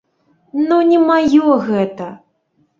Ну, не маё гэта.